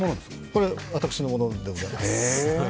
これ、私のものでございます